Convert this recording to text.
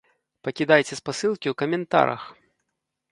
Пакідайце спасылкі ў каментарах!